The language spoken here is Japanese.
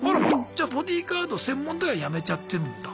じゃボディーガード専門では辞めちゃってるんだ。